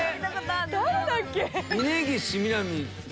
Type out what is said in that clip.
誰だっけ？